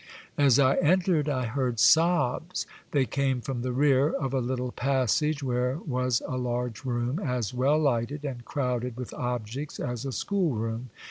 As I entered I heard sobs. They came from the rear of a little passage, where was a large room as well lighted and crowded with objects as a school room.